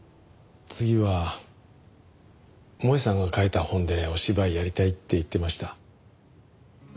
次は萌絵さんが書いた本でお芝居やりたいって言ってました。